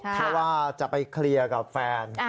เพราะว่าจะไปเคลียร์กับแฟน